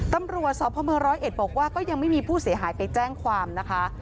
ตำรวจสพเมืองร้อยเอ็ดบอกว่าก็ยังไม่มีผู้เสียหายไปแจ้งความนะคะ